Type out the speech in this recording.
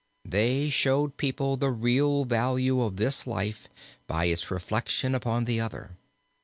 They showed people the real value of this life by its reflection upon the other.